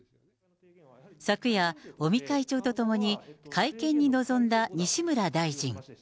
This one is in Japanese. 昨夜、尾身会長とともに会見に臨んだ西村大臣。